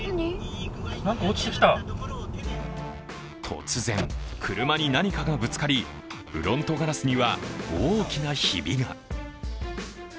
突然、車に何かがぶつかり、フロントガラスには大きなひびが。